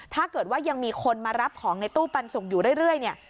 ถ้าเกิดว่ายังมีคนมารับของในตู้ปันสุกอยู่เรื่อยเนี่ย